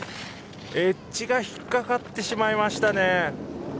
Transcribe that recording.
エッジが引っかかってしまいましたね。